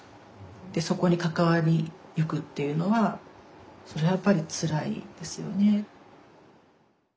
でそこに関わりゆくっていうのはそれはやっぱりつらいですよね。